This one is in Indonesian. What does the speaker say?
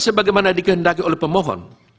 sebagai mana dikehendaki oleh pemohon